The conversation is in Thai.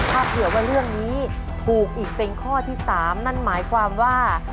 ถ้าเผื่อว่าเรื่องนี้ถูกอีกเป็นข้อที่๓นั่นหมายความว่า